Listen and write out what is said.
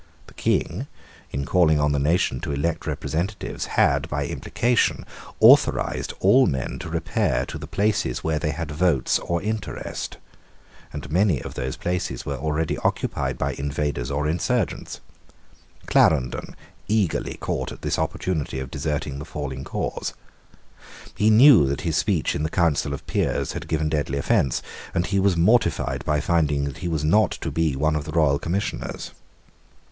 The King, in calling on the nation to elect representatives, had, by implication, authorised all men to repair to the places where they had votes or interest; and many of those places were already occupied by invaders or insurgents. Clarendon eagerly caught at this opportunity of deserting the falling cause. He knew that his speech in the Council of Peers had given deadly offence: and he was mortified by finding that he was not to be one of the royal Commissioners.